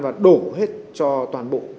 và đổ hết cho toàn bộ